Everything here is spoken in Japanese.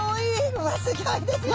うわすギョいですよ。